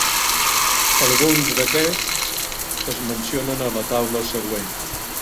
Alguns d'aquests es mencionen a la taula següent.